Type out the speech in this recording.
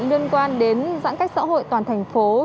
liên quan đến giãn cách xã hội toàn thành phố